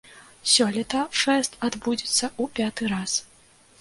Сёлета фэст адбудзецца ў пяты раз.